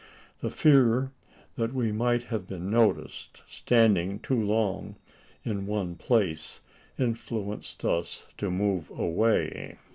The fear that we might have been noticed standing too long in one place, influenced us to move away.